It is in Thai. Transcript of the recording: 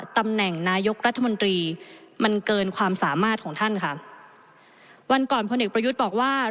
ตำแหน่งนายกรัฐมนตรีมันเกินความสามารถของท่านค่ะ